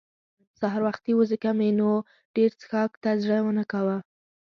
سهار وختي وو ځکه مې نو ډېر څښاک ته زړه نه کاوه.